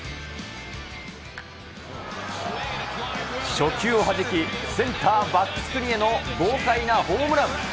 初球をはじき、センターバックスクリーンへの豪快なホームラン。